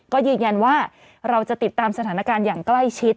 ก็ยืนยันว่าเราจะติดตามสถานการณ์อย่างใกล้ชิด